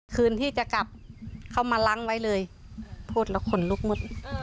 คืนที่จะกลับเข้ามาล้างไว้เลยพูดแล้วขนลุกมืด